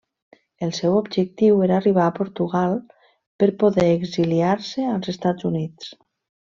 El seu objectiu era arribar a Portugal per poder exiliar-se als Estats Units.